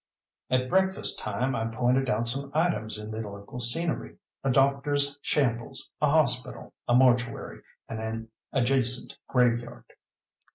At breakfast time I pointed out some items in the local scenery, a doctor's shambles, a hospital, a mortuary, and an adjacent graveyard.